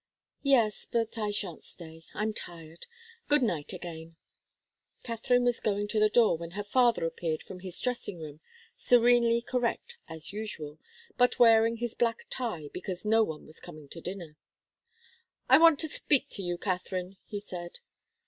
"Yes but I shan't stay. I'm tired. Good night again." Katharine was going to the door, when her father appeared from his dressing room, serenely correct, as usual, but wearing his black tie because no one was coming to dinner. "I want to speak to you, Katharine," he said.